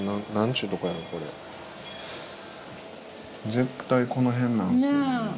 絶対この辺なんですけどね。ね。